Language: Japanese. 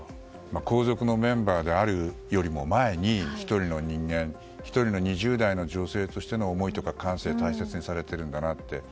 皇族のメンバーであるよりも前に１人の人間、１人の２０代の女性としての思いとか思いとか感性を大切にされているのかなって。